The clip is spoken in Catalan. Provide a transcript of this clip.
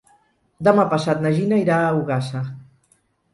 Demà passat na Gina irà a Ogassa.